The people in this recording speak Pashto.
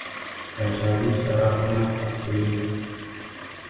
کچالو سړه خونه خوښوي